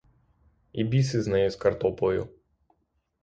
І біс із нею, з картоплею.